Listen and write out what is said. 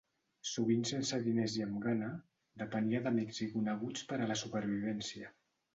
Sovint sense diners i amb gana, depenia d'amics i coneguts per a la supervivència.